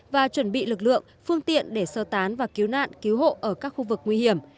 và chuẩn bị lực lượng phương tiện để sơ tán và cứu nạn cứu hộ ở các khu vực nguy hiểm